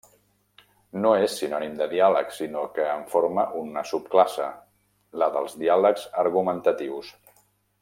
No és sinònim de diàleg, sinó que en forma una subclasse, la dels diàlegs argumentatius.